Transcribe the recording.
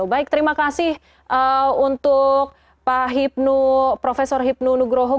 baik terima kasih untuk prof hipnu nugroho